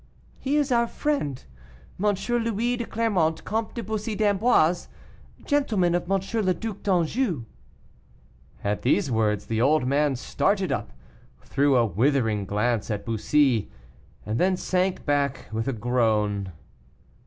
"He is our friend, M. Louis de Clermont, Comte de Bussy d'Amboise, gentleman of M. le Duc d'Anjou." At these words the old man started up, threw a withering glance at Bussy, and then sank back with a groan.